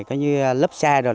cái như lớp xe rồi